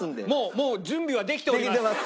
もう準備はできております。